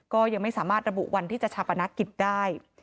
ก็ยังไม่สามารถระบุวันที่จะชาปนกิจได้